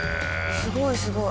すごいすごい！